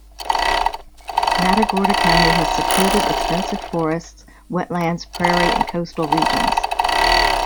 Matagorda County has secluded, extensive forests, wetlands, prairie and coastal regions.